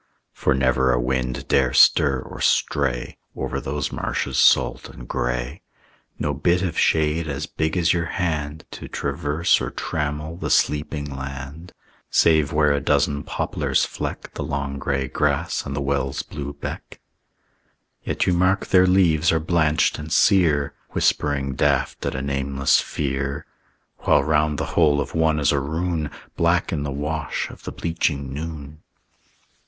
For never a wind dare stir or stray Over those marshes salt and gray; No bit of shade as big as your hand To traverse or trammel the sleeping land, Save where a dozen poplars fleck The long gray grass and the well's blue beck. Yet you mark their leaves are blanched and sear, Whispering daft at a nameless fear. While round the hole of one is a rune, Black in the wash of the bleaching noon.